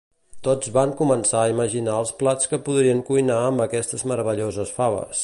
Tots van començar a imaginar els plats que podrien cuinar amb aquestes meravelloses faves